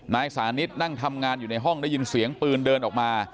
นายสานิทนั่งทำงานอยู่ในห้องได้ยินเสียงปืนเดินออกมา